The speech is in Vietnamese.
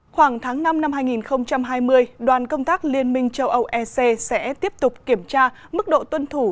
khoảng tháng năm năm hai nghìn hai mươi đoàn công tác liên minh châu âu ec sẽ tiếp tục kiểm tra mức độ tuân thủ